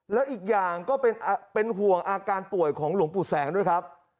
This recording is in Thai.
แล้วอีกอย่างก็เป็นห่วงอาการป่วยของหลวงปู่แสงด้วยครับ